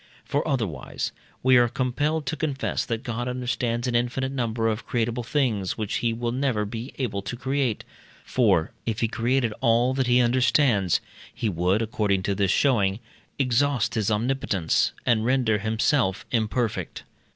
For, otherwise, we are compelled to confess that God understands an infinite number of creatable things, which he will never be able to create, for, if he created all that he understands, he would, according to this showing, exhaust his omnipotence, and render himself imperfect.